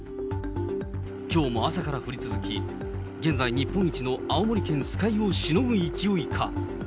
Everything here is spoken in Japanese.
きょうも朝から降り続き、現在、日本一の青森県酸ヶ湯をしのぐ勢いか。